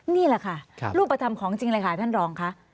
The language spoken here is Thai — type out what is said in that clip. นี่แหละค่ะรูปธรรมของจริงเลยค่ะท่านรองค่ะ